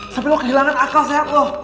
sampai lo kehilangan akal sehat lo